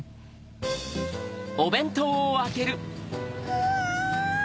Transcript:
うわ！